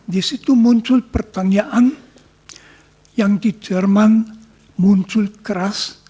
di situ muncul pertanyaan yang di jerman muncul keras